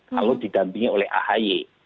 kalau digantinya oleh ahy